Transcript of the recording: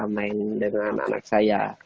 main dengan anak saya